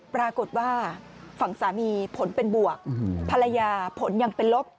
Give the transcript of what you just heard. ปรากฏว่าฝั่งสามีผลเป็นบวกภรรยาผลยังเป็นลบ